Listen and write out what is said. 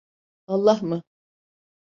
Allah mı?